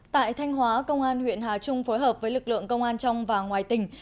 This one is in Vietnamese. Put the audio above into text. tại thanh hóa công an huyện hà trung phối hợp với lực lượng công an trong và ngoài tỉnh